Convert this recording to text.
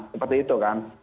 seperti itu kan